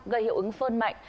gây hiệu ứng phơn mạnh